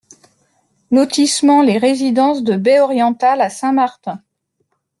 LOT LES RES DE BAIE ORIENTALE à Saint Martin